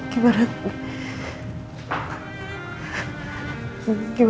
gimana keadaan anak kita